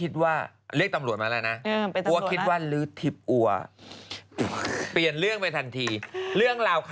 แต่ว่าไม่ทันแล้วมันดูดไปแล้ว